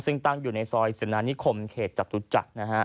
ซึ่งตั้งอยู่ในซอยสินานิคมเขตจตุจักรนะฮะ